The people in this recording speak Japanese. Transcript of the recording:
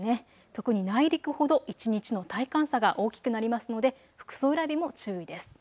特に内陸ほど一日の体感差が大きくなりますので服装選びも注意です。